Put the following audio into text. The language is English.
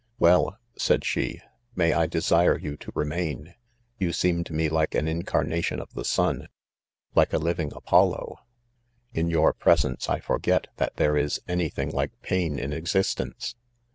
"Well/' said she 1 ,'" may I desire you to remain, — you seem to me like an incarnation of the Bun>~~ like a living Apollo/ In your presence I forget that there is any thing like pain in existence